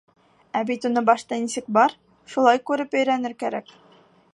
Ә бит уны башта нисек бар, шулай күреп өйрәнер кәрәк.